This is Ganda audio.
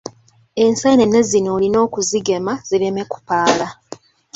Enseenene zino olina okuzigema zireme kupaala.